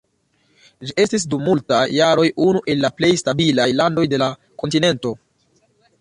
Ĝi estis dum multaj jaroj unu el la plej stabilaj landoj de la kontinento.